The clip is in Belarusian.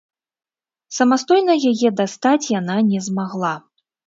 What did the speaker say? Самастойна яе дастаць яна не змагла.